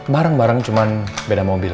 bareng bareng cuma beda mobil